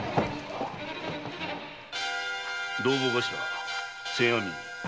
同朋頭千阿弥